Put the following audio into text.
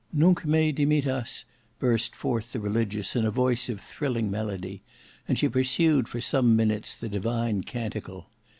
'" "'Nunc me dimittas,'" burst forth the Religious in a voice of thrilling melody, and she pursued for some minutes the divine canticle.